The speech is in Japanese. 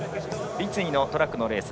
立位のトラックのレース。